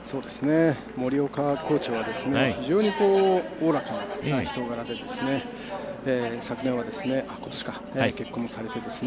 森岡コーチは、非常におおらかな、いい人柄で今年は結婚もされて。